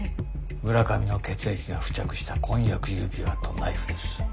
村上の血液が付着した婚約指輪とナイフです。